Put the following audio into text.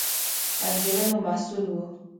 انګېرنو محصول وو